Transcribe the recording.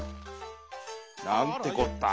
「なんてこったぁ。